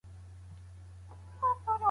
بله مرحله د مېرمني څخه د بسترې جلا کول دي.